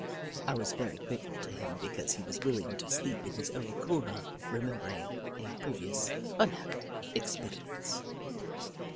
I was very grateful to him because he was willing to sleep in his own corner, remembering a pre vious unhappy experience.